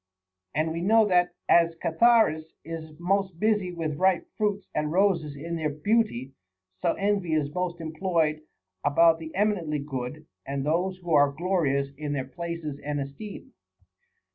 And we know that, as the cantharis is most busy with ripe fruits and roses in their beauty, so envy is most employed about the eminently good and those who are glorious in their places and esteem.